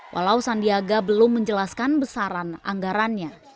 walau sandiaga belum menjelaskan besaran anggarannya